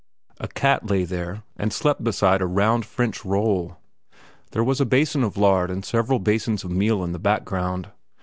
A cat lay there and slept beside a round French roll. There was a basin of lard and several basins of meal in the background.